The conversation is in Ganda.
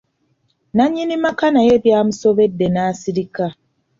Nannyini maka naye byamusobodde n'asirika.